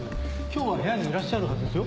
今日は部屋にいらっしゃるはずですよ。